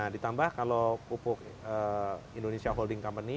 ditambah kalau pupuk indonesia holding company